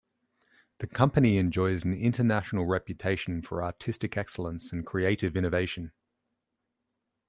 The company enjoys an international reputation for artistic excellence and creative innovation.